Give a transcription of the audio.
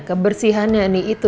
kebersihannya nih itu